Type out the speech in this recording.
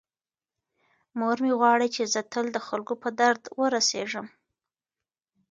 مور مې غواړي چې زه تل د خلکو په درد ورسیږم.